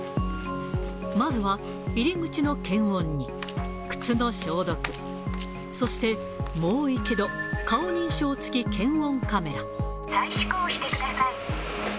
まずは入り口の検温に、靴の消毒、そして、もう一度、顔認証付き検再試行してください。